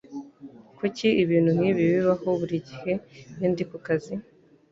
Kuki ibintu nkibi bibaho buri gihe iyo ndi ku kazi?